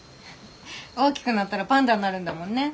大きくなったらパンダになるんだもんね。